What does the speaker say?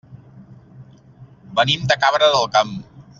Venim de Cabra del Camp.